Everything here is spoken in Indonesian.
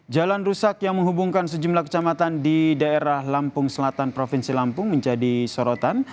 jalan rusak yang menghubungkan sejumlah kecamatan di daerah lampung selatan provinsi lampung menjadi sorotan